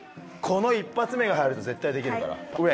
この一発目が入るとぜったいできるから。